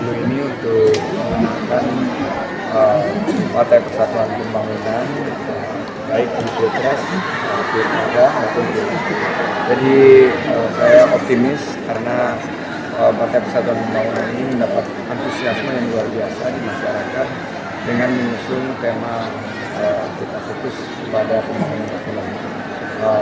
dengan mengusung tema kita fokus pada pembangunan kekeluarga